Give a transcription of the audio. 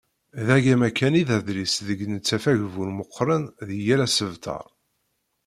D agama kan i d adlis deg nettaf agbur meqqren di yal asebter.